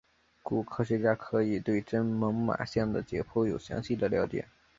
故科学家可以对真猛玛象的解剖有详细的了解。